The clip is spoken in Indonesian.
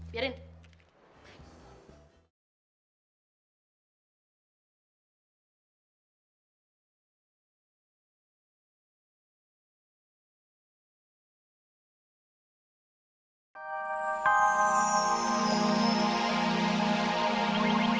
biarin daripada gue penasaran sakit biarin